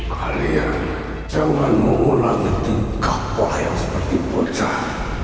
kalian jangan mengulangi tingkah wayang seperti pocah